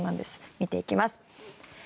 見ていきます。